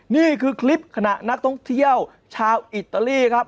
นี่คือคลิปขณะนักท่องเที่ยวชาวอิตาลีครับ